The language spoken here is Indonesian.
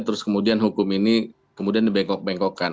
terus kemudian hukum ini kemudian dibengkok bengkokkan